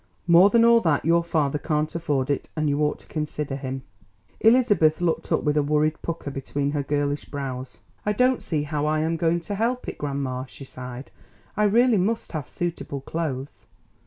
More than all that, your father can't afford it, and you ought to consider him." Elizabeth looked up with a worried pucker between her girlish brows. "I don't see how I am going to help it, grandma," she sighed; "I really must have suitable clothes."